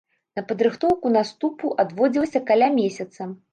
На падрыхтоўку наступу адводзілася каля месяца.